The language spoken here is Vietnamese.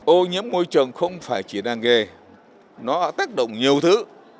ô nhiễm môi trường không phải chỉ là nghề nó tác động nhiều thứ